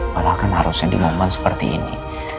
bahkan harusnya di momen seperti ini